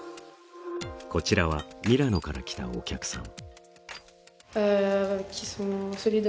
こちらはミラノから来たお客さん